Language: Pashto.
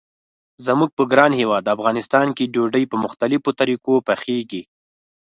زموږ په ګران هیواد افغانستان کې ډوډۍ په مختلفو طریقو پخیږي.